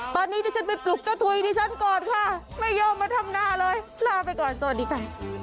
ตอนนี้ดิฉันไปปลุกเจ้าถุยดิฉันก่อนค่ะไม่ยอมมาทำนาเลยลาไปก่อนสวัสดีค่ะ